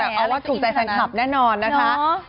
แต่เอาว่าถูกใจสัญคับแน่นอนนะคะ